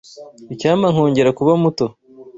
Icyampa nkongera kuba muto.